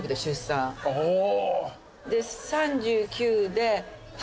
で３９で。